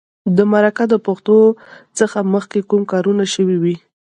د مرکه د پښتو څخه مخکې کوم کارونه شوي وي.